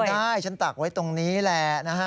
ฉันจำได้ฉันตากไว้ตรงนี้แหละนะฮะ